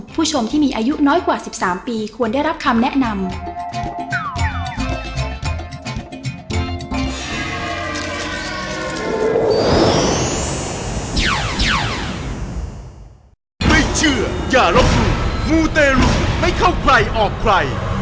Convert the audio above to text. ผู้ชมที่มีอายุน้อยกว่า๑๓ปีควรได้รับคำแนะนำ